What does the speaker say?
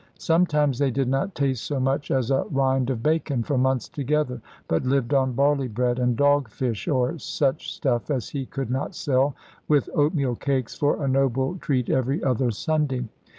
Sometimes they did not taste so much as a rind of bacon for months together, but lived on barley bread and dog fish, or such stuff as he could not sell, with oatmeal cakes for a noble treat every other Sunday.